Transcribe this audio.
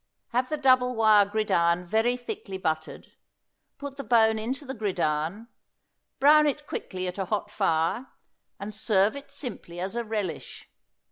Have the double wire gridiron very thickly buttered, put the bone into the gridiron, brown it quickly at a hot fire, and serve it simply as a relish.